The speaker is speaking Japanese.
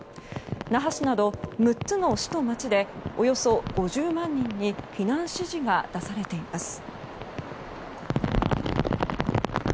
那覇市など６つの市と町でおよそ５０万人に避難指示が出されています。